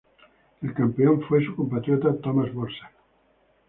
El campeón fue su compatriota Tomas Dvorak.